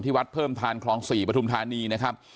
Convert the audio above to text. ที่วัดเฟิ่มธารรณคลอง๔ประทุมธนีย์